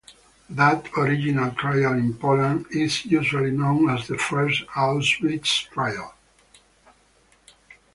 That original trial in Poland is usually known as the first Auschwitz Trial.